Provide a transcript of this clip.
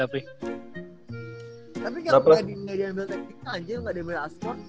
tapi kalo ga diambil tactical aja ga diambil asport